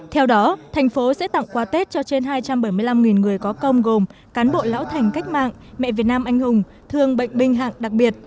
theo đó thành phố sẽ tặng quà tết cho trên hai trăm bảy mươi năm người có công gồm cán bộ lão thành cách mạng mẹ việt nam anh hùng thương bệnh binh hạng đặc biệt